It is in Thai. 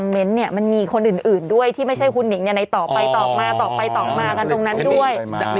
มีคนอื่นด้วยที่ไม่ใช่คุณนิ่งต่อไปต่อมาตรงนั้นด้วย